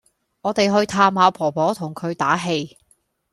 我哋去探下婆婆同佢打氣